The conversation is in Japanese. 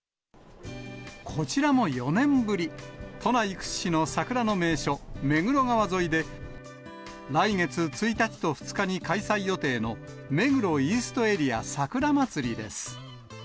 こちらも４年ぶり、都内屈指の桜の名所、目黒川沿いで、来月１日と２日に開催予定の、目黒イーストエリア・桜祭りです。